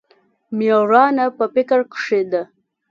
مېړانه په فکر کښې ده.